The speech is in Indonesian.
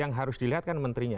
yang harus dilihat kan menterinya